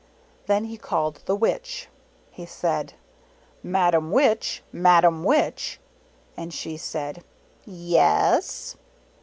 Then he called the Witch. He said, " Madam Witch ! Madam Witch !" And she said, "Yes."